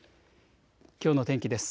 きょうの天気です。